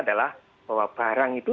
adalah bahwa barang itu